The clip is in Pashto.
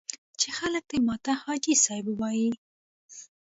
چې خلک دې ماته حاجي صاحب ووایي.